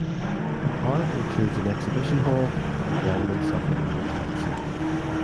The park includes an exhibition hall and remnants of an old castle.